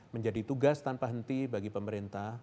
menjadi tugas tanpa henti bagi pemerintah